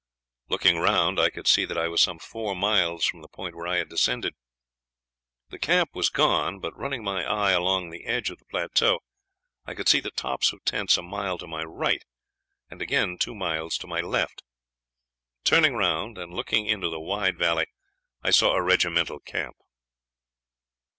Looking round, I could see that I was some four miles from the point where I had descended. The camp was gone; but running my eye along the edge of the plateau I could see the tops of tents a mile to my right, and again two miles to my left; turning round, and looking down into the wide valley, I saw a regimental camp.